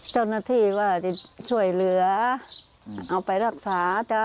เจ้าหน้าที่ว่าจะช่วยเหลือเอาไปรักษา